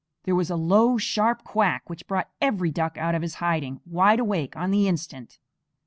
There was a low, sharp quack which brought every duck out of his hiding, wide awake on the instant.